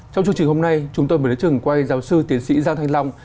trong chương trình hôm nay chúng tôi mới đến trường quay giáo sư tiến sĩ giang thanh long